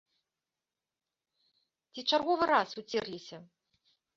Ці чарговы раз уцерліся?